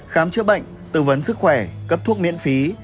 khám chữa bệnh tư vấn sức khỏe cấp thuốc miễn phí